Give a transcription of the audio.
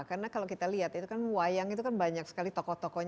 karena kalau kita lihat itu kan wayang itu kan banyak sekali tokoh tokohnya